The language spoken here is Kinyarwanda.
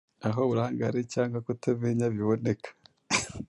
aho uburangare cyangwa kutamenya biboneka